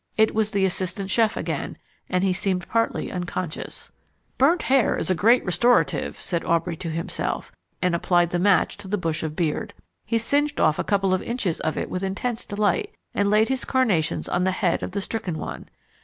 It was the assistant chef again, and he seemed partly unconscious. "Burnt hair is a grand restorative," said Aubrey to himself, and applied the match to the bush of beard. He singed off a couple of inches of it with intense delight, and laid his carnations on the head of the stricken one.